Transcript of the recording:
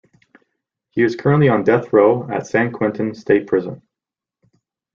He is currently on death row at San Quentin State Prison.